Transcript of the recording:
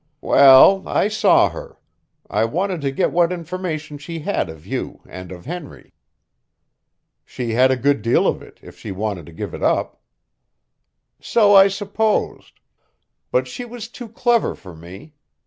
"Well, I saw her. I wanted to get what information she had of you and of Henry." "She had a good deal of it, if she wanted to give it up." "So I supposed. But she was too clever for me.